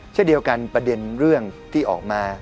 เช่นเดียวกันประเด็นเรื่องที่ออกมา